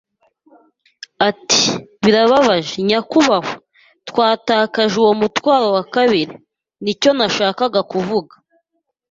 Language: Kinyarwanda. Ati: “Birababaje, nyakubahwa, twatakaje uwo mutwaro wa kabiri. Nicyo nshaka kuvuga. "